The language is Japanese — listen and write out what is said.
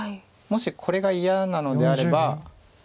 もしこれが嫌なのであれば。